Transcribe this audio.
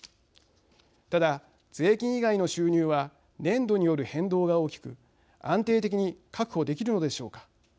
ただ、税金以外の収入は年度による変動が大きく安定的に確保できるのでしょうか。